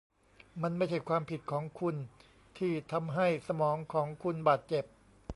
มันไม่ใช่ความผิดของคุณที่ทำให้สมองของคุณบาดเจ็บ